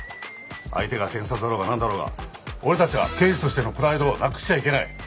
相手が検察だろうがなんだろうが俺たちは刑事としてのプライドをなくしちゃいけない。